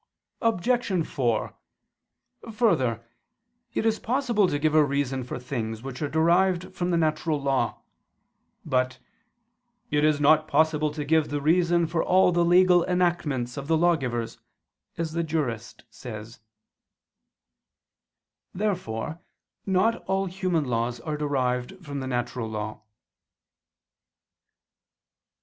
Obj. 4: Further, it is possible to give a reason for things which are derived from the natural law. But "it is not possible to give the reason for all the legal enactments of the lawgivers," as the jurist says [*Pandect. Justin. lib. i, ff, tit. iii, v; De Leg. et Senat.]. Therefore not all human laws are derived from the natural law.